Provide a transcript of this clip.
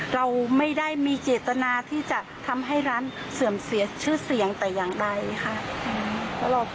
เราไม่ได้มีเจตนาที่จะทำให้ร้านเสื่อมเสียชื่อเสียงแต่อย่างใดค่ะ